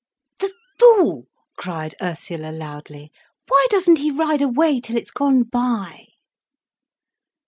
"The fool!" cried Ursula loudly. "Why doesn't he ride away till it's gone by?"